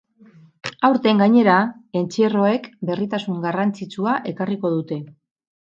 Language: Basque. Aurten, gainera, entzierroek berritasun garrantzitsua ekarriko dute.